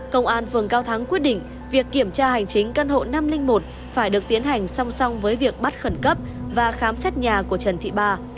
công an phường cao thắng quyết định việc kiểm tra hành chính căn hộ năm trăm linh một phải được tiến hành song song với việc bắt khẩn cấp và khám xét nhà của trần thị ba